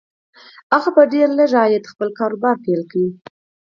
هغه په ډېر لږ عايد خپل کاروبار پيل کړ.